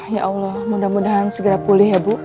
ya allah mudah mudahan segera pulih ya bu